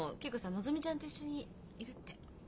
のぞみちゃんと一緒にいるって。